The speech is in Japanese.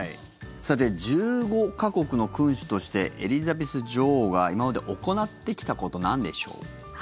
１５か国の君主としてエリザベス女王が今まで行ってきたことなんでしょう。